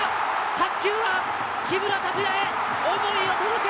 白球は木村拓也へ思いを届け！